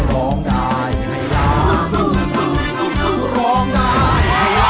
ร้องได้ร้องได้ร้องได้